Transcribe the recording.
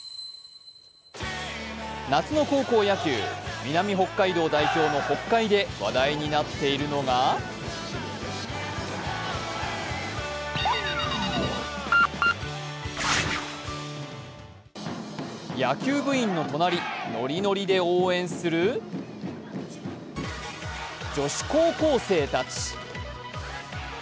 夏の高校野球、南北海道代表の北海で話題になっているのが野球部員の隣、ノリノリで応援する女子高校生たち。